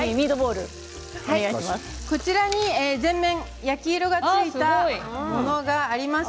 こちらには、全面焼き色がついたものがあります。